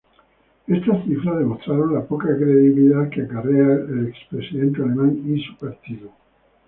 Estas cifras demostraron la poca credibilidad que acarrea el expresidente Alemán y su partido.